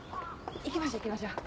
行きましょう行きましょう。